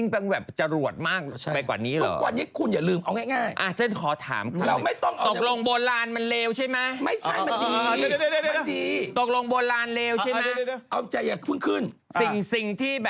ถามให้นี่มันเลวใช่มะไม่ดูแลกันใช่มะไม่ต้องเอาใช่มะ